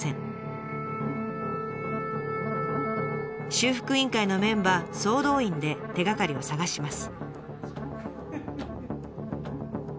修復委員会のメンバー総動員で手がかりを探します。